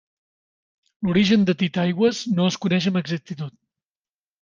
L'origen de Titaigües no es coneix amb exactitud.